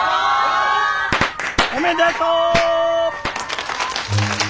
おめでとう！